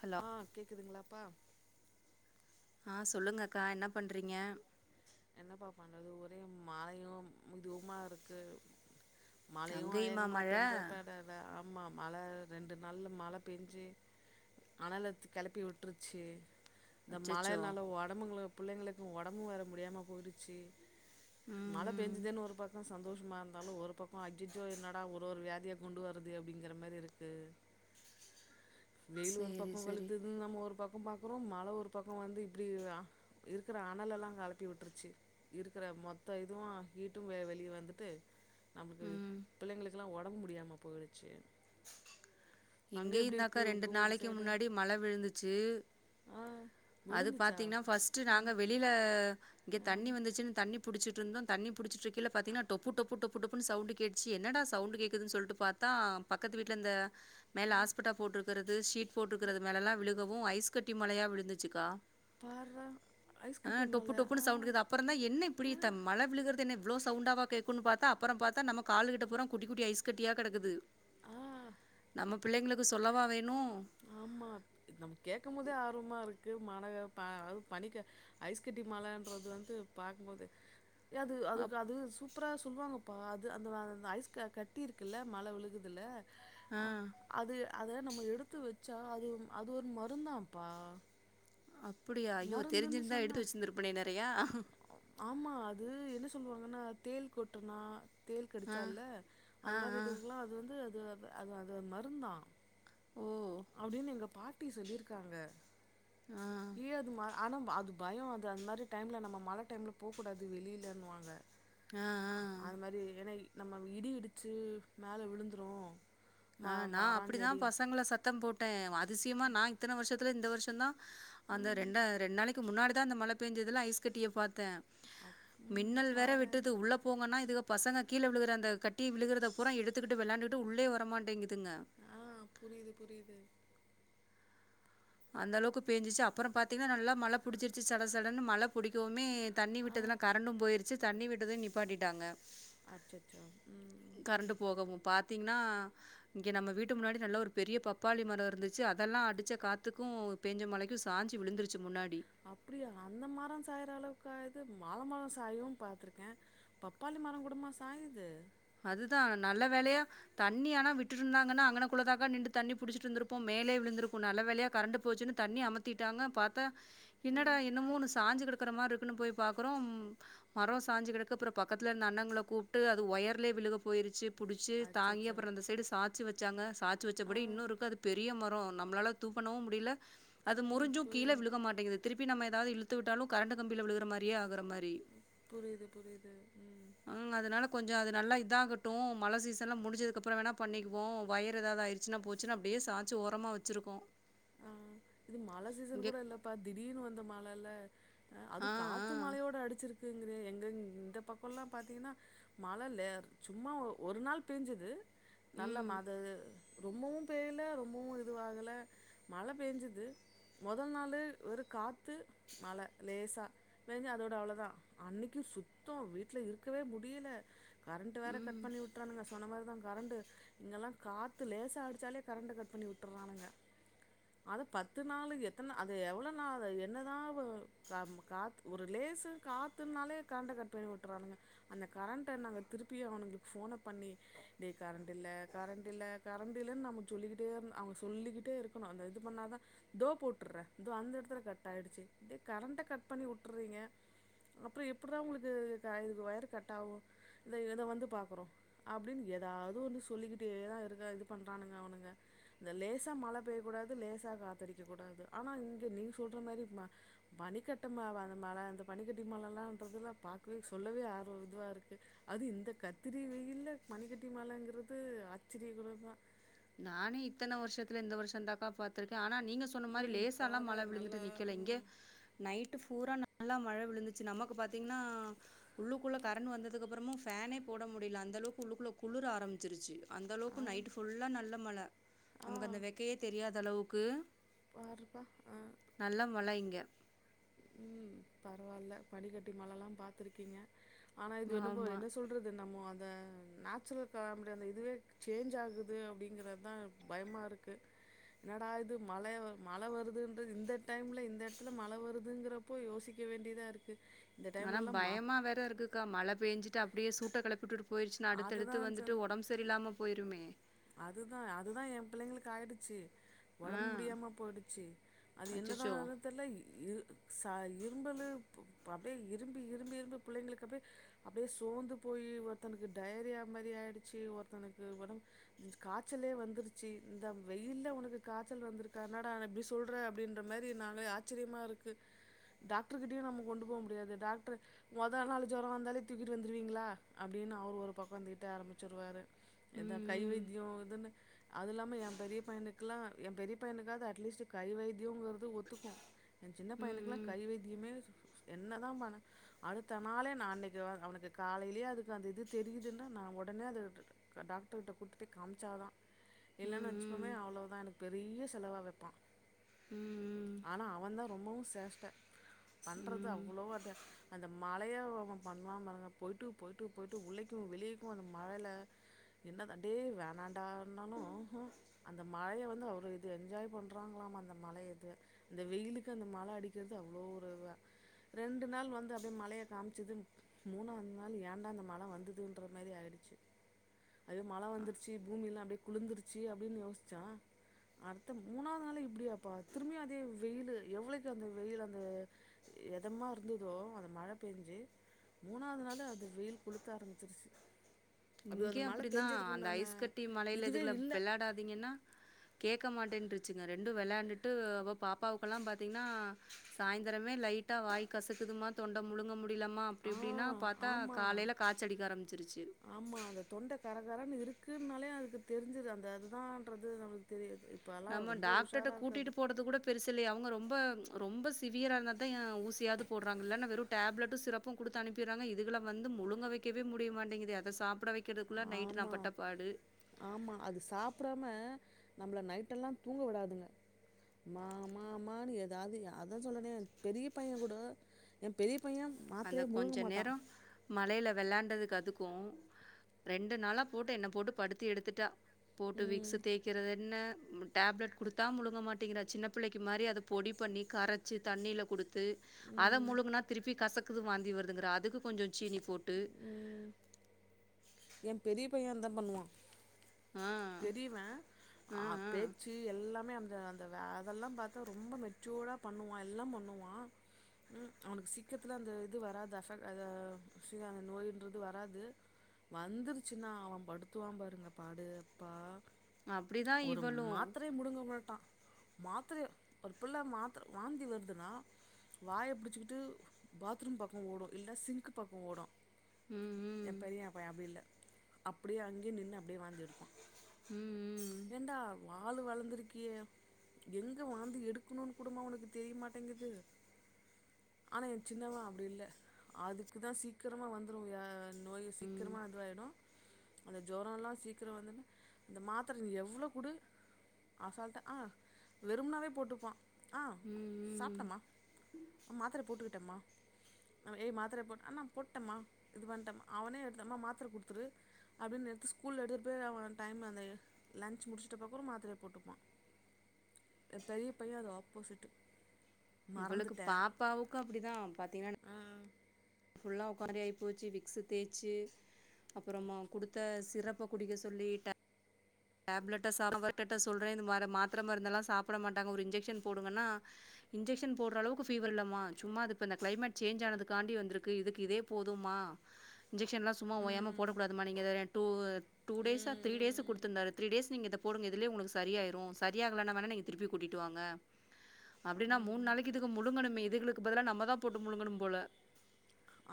Hello ஆஹ் கேக்குதுங்களாப்பா ஆஹ் சொல்லுங்க அக்கா என்ன பண்றீங்க என்னப்பா பண்றது ஒரே மாயம் இதுவுமா இருக்கு மழையும் அங்கேயுமா வேகமா மழ பெஞ்சாப்படாத ஆமா மழ ரெண்டு நாள் மழ பெஞ்சு அனல கிளப்பி விட்டுருச்சு இந்த அச்சச்சோ மழைனால உடம்புகளு புள்ளைங்களுக்கு உடம்பும் வேற முடியாம போய்டுச்சு ம் மழ ம் பெஞ்சுதேன்னு ஒரு பக்கம் சந்தோஷமா இருந்தாலும் ஒரு பக்கம் அஜிஜோ என்னடா ஒரு ஒரு வியாதியா கொண்டு வருது அப்டிங்கற மாதிரி இருக்கு வெயில் ஒரு சேரி பக்கம் சேரி வழுத்துது நம்ம ஒரு பக்கம் பக்கம் பாக்குறோம் மழ ஒரு பக்கம் வந்து இப்டி இருக்கிற அனல எல்லாம் கலப்பி விட்டுரு ச்சு இருக்கற மொத்த இதுவும் ஹீட்டும் வெளிய வந்துட்டு நம்மளுக்கு ம் பிள்ளைங்களுக்குல்லாம் உட உடம்பு முடியாம போயிடுச்சு அங்கே எப்படி இங்கயுதாக்கா இருக்குது ரெண்டு உங்கள் ஊர் நாளைக்கு சைடு முன்னாடி மழ விழுந்துச்சு ஆ அது விழுந்துச்சா பாத்தீங்கன்னா ஃபஸ்ட் நாங்க வெளில இங்க தண்ணி வந்துச்சின்னு தண்ணி புடுச்சட்டுருந்தோம் தண்ணி புடுச்சுட்றுக்கேல பாத்தீங்கன்னா டொப்பு டொப்பு டொப்பு டொப்புன்னு சவுண்டு கேட்டுச்சு என்னடா சவுண்டு கேட்குதுன்னு சொல்ட்டு பாத்தா பக்கத்து வீட்ல அந்த மேல ஹாஸ்பிட்டா போட்ரு க்கிறது சீட் போட்டுக்கிறது மேலல்லாம் விழு கவும் ஐஸ் கட்டி மழையா விழுந்துச்சு க்கா பாரு ஐஸ் கட்டி ஆஹ் டொப்பு மலை டொப்புன்னு ஆ சவுண்ட் கேக்குது அப்புறம் தான் என்ன இப்டி மழ விழுகுறது என்ன அவ்ளோ சவுண்டாவா கேக்குனு பாத்தா அப்புறம் பாத்தா நம்ம காலு கிட்ட பூரா குட்டி குட்டி ஐஸ் கட்டியா கெடக்குது ஆ நமக் பிள்ளைங்களுக்கு சொல்லவா வேணும் ஆமா நம் கேக்குமோதே ஆர்வமா இருக்கு மாணக பா அது பணிக்க ஐஸ் கட்டி மழன்றது வந்து பா மோது எது அதுக்கு அப் அது சூப் ப்புற சொல்வாங்கப்பா அது அந்த அ ஐஸ் க கட்டி இருக்குல்ல மழ விழுகுதுல ஆ. அ அது அத நம்ம எடுத் வச்சா அதும் அது ஒரு மருந்தாப்பா அ அப்புடியா, ஐயோ தெரிஞ்சிருந்தா எடுத்து வச்சிருந்திருப்பனே நெறையா ஆமா அது என்ன சொல்லுவாங்கனா தேள் கொட்டுனா தேள் ஆ. கடிச்சால்ல ஆ, அந்த மாரி ஆ. இதுக்குலா அது வந்து இது வ அது அது மருந்தா ஓ! அப்டின்னு எங்க பாட் டி சொல்லிருக்காங்க ஆ. ஏ அது ம ஆனா அது பயோ அது அந்த மாரி டைம்ல நம்ம மழ டைம்ல் போகூடாது வெளிலன்னுவாங்க அ ஆ அது மாரி ஏன்னா நம்ம இடி இடிச்சு மேல விழுந்துரு ம ஆ நா அப்டிதா மரஞ்செடி பசங்கள சத்தம் போட்ட அது அதிசியமா நா இத்தன வருசத் த்துல இந்த வருசந்தா அந்த ம் ரெண்டா ரெண்ட்நாளைக் கு முன்னாடி தா அந்த மழ பேஞ்சதுல்ல ஐஸ் கட்டிய பாத்த அப் ம் மின்னல் வேற பாரே வெட்டுது உள்ள போங்கனா இதுக பசங்க கீழ விழுகுற அந்த கட்டி விழுகுறத பூரா எடுத்துக்குட்டு வெளாண்டுட்டு உள்ளே வர மாட் ஆ புரிது புரிது அந்த அளவுக்கு பேஞ்சுச்சு அப்பறோ பாத்தீங்னா நல்லா மழ புடிச்சிருச்சு சட சடன்னு மழ புடிக்கவு மே தண்ணி ஆ விட்டதுல கரண்டும் போய்ரு சி தண்ணி விட்டதும் நிப்பாட்டிட்டாங்க அச்சச்சோ ம் பாத்திங்னா இங்க நம்ம வீட்டு முன்னாடி நல்ல ஒரு பெரிய பப்பாளி மர இருந்துச்சு அதெல்லா அடிச்ச காத் துக்கு பேஞ்ச மழைக்கு சாஞ்சு விழுந்துருச்சு முன்னா அப்டியா அந்த மர சாயற அளவுக்கா ஆயிருக் கு வாழ மர சாயு பாத்துருக்கே பப்பாளி மரங்கூடமா சாயிது அதுதா நல்ல வேளையா தண்ணி ஆனா விட்டுருந்தாங்கன்னா அங்கனக்குள்ளதாக்கா நின்டு தண்ணி புடிச்சிட்டு இருந்திருப்போ மேலே விழுந்திருக்கு நல்ல வேளையா கரண்ட் போச்சுன்னு தண்ணி அமுத்திட்டாங்க பாத்தா என்னடா என்னமோ ஒண்ணு சாஞ்சி கெடக்க ற மார் இருக்குனு போய் பாக்கறோ மர சாஞ்சு கெடக்கு அப்பற பக்கத்துல இருந்த அண்ணாங்கள கூப்ட்டு அது ஒயர் லயே விழுகப் போயிருச்சு புடிச்சு தாங்கி அச்சச்சோ அப்பற அந்த சைடு சாச்சி வெச்சாங்க சாச்சு ஆ வெச்சபடி இன்னு இருக்கு அது பெரிய மர நம்ளால தூக்கணவு முடில அது ம் முறிஞ்சு கீழ புரியுது விழுக மாட்டிங்குது திருப்பி நம்ம எதாது இழுத் றுத்து விட்டாலு கரண்ட் கம்பில விழுகுற மாரியே ஆகுறோ மாரி புரியுது புரியுது ம் அ அதனால கொஞ்சோ அத நல்லா இதாகட்டு மழ சீசன்லா முடிஞ்சதுக்கப்பறோ வேணா பண்ணிக்குவோ. வயிரு எதாவது ஆயிருச்சுன்னா போச்சுன்னா அப்டியே சாச்சி ஓரமா வச்சுருக்கோ. ஆ இது மழ சீசன் கூட இல்லப்பா திடீர்னு வந்த மழ மழ ஆ அதுவு ஆ காத்து மழையோட அடிச்சுருக்கு. எங்க எங்க இந்த பக்கோல்லா பாத்தீங்கன்னா மழ லே சும்மா ஒரு நாள் பேஞ்சுது நல்ல ம் மாது ரொம்பவு பேயல ரொம்பவு இதுவாகல. மழை பேஞ்சது மொதல் நாளு வெறு காத்து, மழை லேசா பேஞ்சு அதோட அவ்ளோதா. அன்னக்கி சுத்தோ, வீட்ல இருக்கவே முடியல. கரண்ட் வேற ம் கட் பண்ணி விட்றானுங்க. சொன்ன மாரி ஆ கரண்டு இங்கெல்லா காத்து லேசா அடிச்சாலே கரண்ட்ட கட் பண்ணி வுட்டுர்றானுங்க. அத பத்து நாளு எத்தன அது எவ்ளோ நாளு என்னதா ஒரு கா-காத் ஒரு லேச காத்துன்னாலே கரண்ட்ட கட் பண்ணி விட்றானுங்க. அந்த கரண்ட்ட நாங்க திருப்பி அவனுங்களுக்கு போன பண்ணி டேய் கரண்ட் இல்ல, கரண்ட் இல்ல, கரண்ட் இல்லன்னு நம்ம சொல்லிக்கிட்டே இருந் அவுங்க சொல்லிக்கிட்டே ட்டே இருக்கணு அத இது பண்ணாதா இதோ போட்டுர்ரே இதோ அந்த எடத்துல கட் ஆய்டுச்சு. டேய் கரண்ட்ட கட் பண்ணி வுட்டுறீங்க. அப்றோ எப்புர்றா ஒங்ளுக்கு த இது வயரு கட் ஆகு இந்த இத இத வந்து பாக்குறோ அப்டினு ஏதாவது ஒண்ணு சொல்லிக்கிட்டேதா இருக்க இந்த இது பண்றானுங்க அவனுங்க. இந்த லேசா மழ பே பேயக்கூடாது, லேசா காத்தடிக்கக் கூடாது. ஆனா இங்க நீங்க சொல்ற மாரி ப பனிக்கட்ட மா மழ இந்த பனிக்கட்டி மழெல்லான்றதுல்ல சொல்லவே ஆர்வ இதுவா இருக்கு. அது இந்த கத்திரி வெயில்ல பனிக்கட்டி மழைங்கறது ஆச்சரியக்குறிதா நானே இத்தன வருஷத்துல இந்த வருஷோ தாக்கா பாத்திருக்கே. ஆனா நீங்க சொன்ன மாரி ம் லேசா எல்லா பாரே மழை நல்லா விழுந்துட் நிக்கல இங்க. ம் நைட் பூரா நல்லா மழ விழுந்துச்சு. நமக்கு பாத்தீங்ன்னா உள்ளுக்குள்ள கரண்ட் வந்ததுக்கப்பறமு ஃபேனே போட முடில. அந்த அளவுக்கு உள்ளுக்குள்ள குளுர ஆரம்பிச்சிருச்சு. அந்த ஆ அளவுக்கு நைட் ஃபுல்லா நனஞ் நல்ல மழ. ஆ நமக்கு அந்த வெக்கையே தெரியாத அளவு க்கு பாருப்பா ஆ நல்ல மழ இங்க. ம் பரவால்ல பனிக்கட்டி மழல்லா பாத்துருக்கீங்க. ஆனா இது என்னமோ ஆமா. என்ன சொல்றது? நம்மோ அ அ நேச்சுரல் கலாமிட்டி அந்த இதுவே சேஞ்ச் ஆகுது அப்டிங்கிறதா பயமா இருக்கு. என்னடா இது மழைய மழ வருதுன்றது இந்த டைம்ல இந்த எடத்துல மழ வருது இதுங்குறப்போ யோசிக்க வேண்டியதா இருக் ஆனா பயமா வேற இருக்குக்கா மழ பேஞ்சுட்டு அ அப்டியே சூட்ட கெளப்பி உட்டுட்டு போயிடுச்சுனா அடுத்தடுத்து வந்துட்டு ஒடம்பு சரியில்லாம போயிருமே அதுதா அதுதா ஏ பிள்ளைங்களுக்கு ஆயிடுச்சு ஆ. ஒடம்பு முடியாம போயிடுச்சு அது அச்சச்சோ! என்னதானு தெர்ல இ ச இரும்பலு அப்டியே இரும்பி இரும்பி இரும்பி புள்ளைங்களுக்கு அப்புடியே அப்டியே சோந்து போய் ஒருத்தனுக்கு டடைரியா மாரி ஆயிடுச்சு ஒருத்தனுக்கு ஒடம்பு காய்ச்சலே வந்துருச்சு இந்த வெயில்ல உனக்கு காய்ச்சல் வந்துருக்கா என்னடா எப்டி சொல்ற அப்டின்ற மாரி நாங்களே ஆச்சரியமாக இருக்கு டாக்டரு கிட்டயு நம்ம கொண்டு போக முடியாது டாக்டரு மொத நாலு ஜுரோ வந்தாலே தூக்கிட்டு வந்துருவீங்களா அப்டின்னு அவர் ஒரு பக்கோ திட்ட ஆரம்பிச்சுருவாரு எதா கை வைத் ம், ம். போதுன்னு அது இல்லாம ஏ பெரிய பையனுக்குல்லா ஏ பெரிய பையனுக்காக அட்லீஸ்ட் கை வைத் வைத்யோங்கறது ஒத்துக்கு எ சின்ன ம், பையனுக்குல்லா ம். கை வத்தியமே சூ என்ன தா பண்ணே அடுத்தனாளே நா அன்னைக்கி அவந் அவனுக்கு காலையிலயே அதுக்கு அந்த இது தெரியுதுன்னா நா ஒடனே அது டாக்டருர்கிட்ட குட் டி காமிச்சாதா ம், இல்லன்னு வச்சுப்போமே ம். அவ்ளோவுதா பெரிய செலவா வெப்பா உம் உம் ஆனா அவன் தா ரொம்பவு சேஷ்ட பண்றது ம். அவ்ளோவோ அந்த அந்த மழையாக அவ பண்ணுவா பாருங்க போய்ட்டு போய்ட்டு போய்ட்டு உள்ளைக்கு வெளியேக்கு அந்த மழையில என்ன தா டு வேணான்டானு அந்த மழைய வந்து அவ்ளோ வந்து இது என்ஜாய் பண்றாங்களாமா அந்த மழைய இது அந்த வெயிலுக்கு அந்த மழ அடிக்கிறது அவ்ளோ ஒரு வ ரெண்டு நாள் வந்து அப்டியே மழையே காமிச்சது மூணாவன் நாள் ஏண்டா அந்த மழ வந்ததுன்ற மேரி ஆயிடுச்சு ஐயோ மழ வந்துருச்சு பூமியேல்லா அப்டியே குளிந்தருச்சு அப்டின்னு யோசிச்சா அடுத்த மூணாவது நாள்ல இப்டியாப்பா திரும்பியு அதே வெயிலு எவ்ளோக்கு அந்த வெயிலு அந்த எதமா இருந்ததோ அந்த மழ பெஞ்சு மூணாவது நாள் அந்த வெயில் கொலு தரம்பிச்சிருச்சு இங்கேயு அப்டி தா அந்த ஐஸ் கட்டி மலையில இதுவே இதுங்கல இல்லை வெள்ளாடாதீங்கன்னா கேட்க மாட்டேன்ருச்சுங்க ரெண்டு வெள்ளாண்டுட்டு அவோ பாப்பாவுக்கெல்லா பாத்தீங்ன்னா சாயந்தரமே லைட்டா வாய் கசக்குதுமா தொண்ட முழுங்க மு டியலமா அப்டி ஆ இப்டின்னா பாத்தா காலேயில காச்சடிக்க ஆரம்பிச்சிருச்சு ஆமா அந்த தொண்டை கரகரன்னு இருக்குனாலே அதுக்கு தெரிஞ்சுது அந்த அதுதான்றது நமக்கு தெரியு நம்ம டாக்டர்ட கூட்டிட்டு போறது கூட பெருசு இல்லைய அவுங்க ரொம்ப ரொம்ப சிவியராயிருந்தா தா எ ஊசியாவது போடறாங்கள இன்னா வெறும் டேப்லட்டு சிறப்பு குடுத்து அனுப்பிறாங்க இதுளை வந்து முழுங்க வைக்கவே முடியமாட்டேங்குது அத சாப்பிட வை ஆமா ஆமா அது சாப்டாம நம்மள நைட்டெல்லா தூங்க விடாதுங்க மா மா மான்னு ஏதாது அதா சொல்றனே பெரிய பையன் கூட எ பெரி அந்த கொஞ்சோ நேரோ மழையில வெள்ளான்டதுக் டதுக்கு ரெண்டு நாளா போட்டு என்ன போட்டு படுத்தி எடுத்துட்டா போட்டு விக்ஸு ம் தேக்கறதேன்ன டேப்லெட் கொடுத்தா முழுங்க மாட்டேங்கர சின்ன புள்ளைக்கு மாரி அத பொடி பண்ணி கரைச்சு தண்ணியில குடுத் து அத ம் முழுங்கனா திருப்பி கசக் குது வாந்தி வருதுங்கர அதுக்கு கொஞ்சோ சீனி போ ட்டு எ பெரிய பைய அந்தா பண்ணுவா ஆ பெரியவ ஆ அஹ் ஆ பேச்சு எல்லாமே அந்த நா அதெல்லா பாத்தா ரொம்ப மெச்சூர்டா பண்ணுவா எல்லா பண்ணுவா, ம் அவனுக்கு சீக்கரத்ல அந்த இது வராது அச அந்த நோயின்றது வராது வந்துருச்சினா அவன் படுத்துவான் பாருங்க பாடு ப்பா அப்படிதா இவளு மாத்ரய ஒரு பிள்ள மாத்ர வாந்தி வருதுனா வாய புடிச்சுகிட்டு பாத்ரூம் பக்கோ ஓடு இல்ல சிங்க் பக்கோ ஓடு உம் எ உம் பெரிய பைய அப்டி இல்ல அப்டியே அங்கியே நின்னு அப்டியே வாந்தியெடுப்பா ம் என்டா ஆளு வளந்துருக்கியே எங்க வாந்தி எடுக்கணுன்னு கூடுமா உனக்கு தெரியமாட்டேங்குது, ஆனா எ சின்னவ அப்டில்ல, அதுக்குதா சீக்ரமா வந்த்றும் அ நோய்ஸ் கிருமா [unintelligible] அந்த ஜொரலா சீக்ரம் வந்துன்ன அந்த மாத்ர எவ்ளோ குடு அசால்டா ஆ வெறும்னாவே போட்டுப்பா ஆ ம் ம் சாப்டமா மாத்தர போட்டுக்கிட்டமா ஏய் மாத்ர போடு அம்மா போட்டமா, இது பண்ட்டமா அவனே எடுத் இந்தமா மாத்ர குடுத்துரு அப்டினு நிறுத்து ஸ்கூல எடுதுட் போய் அவ டைம் அந்த லன்ச் முடிச்சிட்ட அப்றம் மாத்ரய போட்டுப்பா. எ பெரிய பையன் அது ஆப்போசிட்டு் இவளுக்கு பாப்பாவுக்கு அப்டிதான் பாத்தீங்னா ஆ ஃபுல்லா உக்காரி ஆயி போச்சு விக்சு தேச்சு, அப்புறமா குடுத்த சிரப்ப குடிக்க சொல்லி ட டேப்லெட்ட சாப்டட்ட சொல்ற இந்த மார மாத்ர மருந்தல்லா சாப்பட மாட்டாங்க, ஒரு இன்ஜக்சன் போடுங்கன்னா இன்ஜக்சன் போடறளவுக்கு ஃபீவர் இல்லம்மா சும்மா அது இப்ப இந்த கிளைமேட் சேஞ்ச் ஆனதுக்காண்டி வந்திருக்கு இதுக்குதே போதும்மா. இன்ஜக்சன்லா சும்மா ஓயாம ம் போடக்கூடாதுமா நீங்க அத டூ டூ டேஸா த்ரீ டேஸா ம் குடுத்துருந்தாரு. பேசி நீங்க இத போடுங்க இதுலயே உங்ளுக்கு சரியாயிரு சரியாகலனா வேணா நீங்க திருப்பி கூட்டிட்டு வாங்க அப்டினா, மூணு ம் நாளைக்கு இதுக முழுங்கணுமே இதுகளுக்கு பதுலா நம்மதா போட்டு முழுங்கனும் போல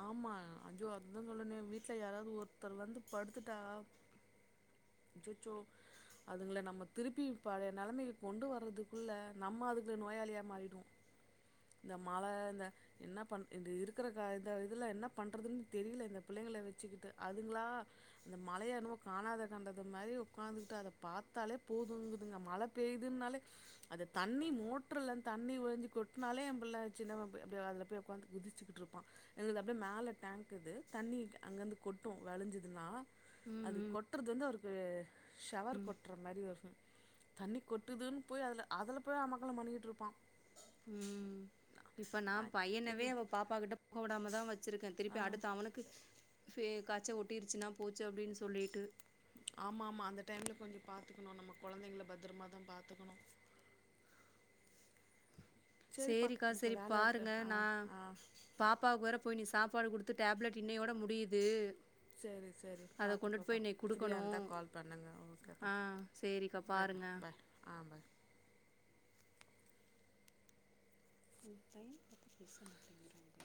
ஆமா அச்சோ அதான் சொல்ரனே வீட்ல யாராவது ஒருத்தர் வந்து படுத்துட்டா, அச்சச்சோ அதுங்கல நம்ம திருப்பி பழைய நெலமைக்கு கொண்டு வர்றதுக்குள்ள நம்ம அதுக்குள்ள நோயாளியா மாறிடுவ இந்த மழ இந்த என்ன பண் இருக்கற க இந்த இதுல என்ன பண்றதுனு தெரில இந்த பிள்ளைங்கள வச்சுகிட்டு அதுங்களா அந்த மழய என்னமோ காணாத கண்டத மாரி உக்காந்துகிட்டு அத பாத்தாலே போதுங்குதுங்க மழ பெய்துனாலே அது தண்ணி மோட்டர்ல தண்ணி ஒழிஞ்சு கொட்னாலே எம் பிள்ள சின்னவ அப்டியே அதுல போய் உட்காந்து குதிச்சிகிட்ருப்பா எங்ளுது அப்டியே மேல டேங்க்குது தண்ணி அங்கந்து கொட்டும் வளிஞ்சிதுனா. அது கொட்றது வந்து அவருக் அது ஷவர் கொட்ற மாரி ஒரு தண்ணி கொட்டுதுன் போய் அதுல அதுல போய் அமக்களம் பண்ணிகிட்ருப்பா உம் இப்ப நா பையனவே என்ன அவ பாப்பா கிட்ட போகவிடாமதா வச் வச்சிருக்க ஆ திருப்பி அடுத்து அவுனுக்கு பே காய்ச்ச ஒட்டிறுச்சுனா போச்சு அப்டினு சொல்லிட்டு ஆமா ஆமா அந்த டைம்ல கொஞ்ச பாத்துக்கணு நம்ம கொழந்தைங்கள பத்ரமாதா பாத்துக்கணு சேரிப்பா சேரிக்கா எனக்கு சேரி வேல இருக்கு பாருங்க ஆ நா ஆ பாப்பாவுக் வேற போயி நிஷ் சாப்பாடு குடுத்து டேப்லெட் இன்னையோட முடியுது சரி சரி அத கொண்டுட்டு பாத்துக்கோப்பா, போய் இன்னைக்கு ஃப்ரியா குடுக்கணு இருந்தா கால் பண்ணுங்க, ஓகேப்பா ஆ சேரிக்கா லேக் பாருங்க பாய் ஆ பாய் உ டைம் பாத்து பேச மாட்டேங்கிறாங்க